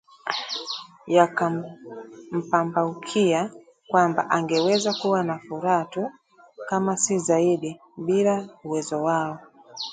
Yakampambaukiwa kwamba angeweza kuwa na furaha tu, kama si zaidi, bila uwepo wao